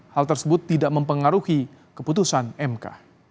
hal tersebut tidak mempengaruhi keputusan mk